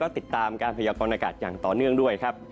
ก็ติดตามการพยายามความอากาศอย่างต่อเนื่องด้วยครับ